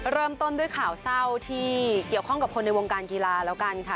เริ่มต้นด้วยข่าวเศร้าที่เกี่ยวข้องกับคนในวงการกีฬาแล้วกันค่ะ